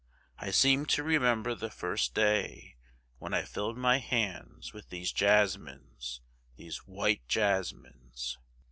I seem to remember the first day when I filled my hands with these jasmines, these white jasmines.